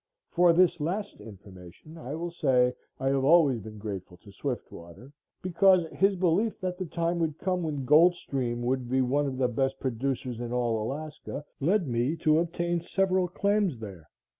For this last information, I will say, I have always been grateful to Swiftwater, because his belief that the time would come when Gold Stream would be one of the best producers in all Alaska, led me to obtain several claims there.